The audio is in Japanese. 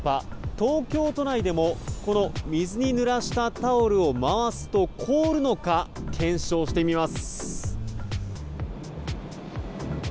東京都内でも、この水にぬらしたタオルを回すと凍るのか検証してみます。